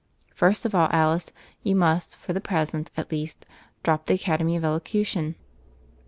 "First of all, Alice, you must, for the pres ent at least, drop the academy of elocution."